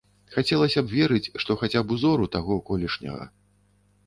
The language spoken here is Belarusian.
Хацелася б верыць, што хаця б узору таго колішняга.